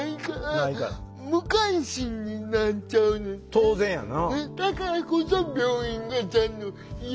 当然やな。